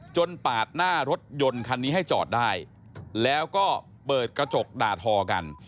ปาดหน้ารถยนต์คันนี้ให้จอดได้แล้วก็เปิดกระจกด่าทอกัน